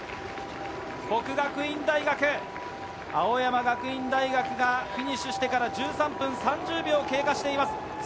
國學院大學、青山学院大学がフィニッシュしてから１３分３０秒を経過しています。